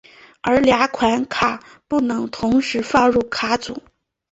而两款卡不能同时放入卡组。